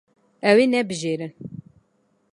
Ew ê nebijêrin.